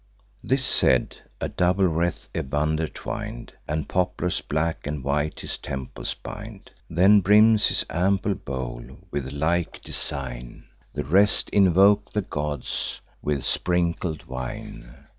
This said, a double wreath Evander twin'd, And poplars black and white his temples bind. Then brims his ample bowl. With like design The rest invoke the gods, with sprinkled wine.